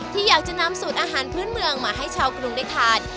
ที่อยากจะนำสูตรอาหารพื้นเมืองมาให้ชาวกรุงได้ทาน